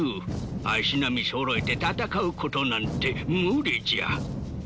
足並みそろえて戦うことなんて無理じゃ。